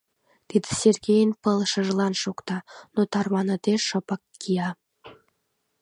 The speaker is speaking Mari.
Тиде Сергейын пылышыжлан шокта, но тарваныде шыпак кия.